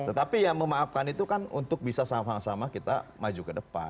tetapi ya memaafkan itu kan untuk bisa sama sama kita maju ke depan